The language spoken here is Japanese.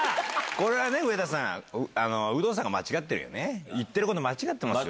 これはね、上田さん、有働さんが間違ってるよね、言ってること間違ってますよ。